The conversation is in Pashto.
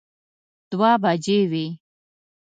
دوه بجې وې.